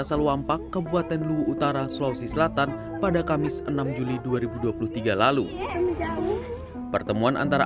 saluampak kebuatan luwutara sulawesi selatan pada kamis enam juli dua ribu dua puluh tiga lalu pertemuan antara